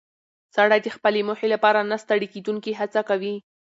سړی د خپلې موخې لپاره نه ستړې کېدونکې هڅه کوي